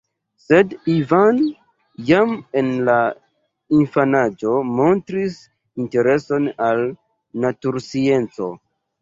Sed Ivan jam en la infanaĝo montris intereson al naturscienco.